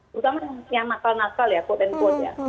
terutama yang nakal nakal ya quote unquote ya